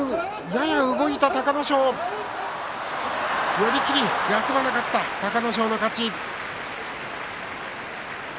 寄り切り、休まなかった隆の勝の勝ち。